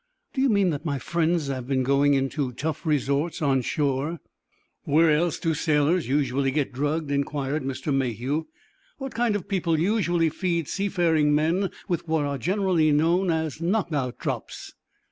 "Do you mean that my friends have been going into tough resorts on shore?" "Where else do sailors usually get drugged?" inquired Mr. Mayhew. "What kind of people usually feed sea faring men with what are generally known as knock out drops?"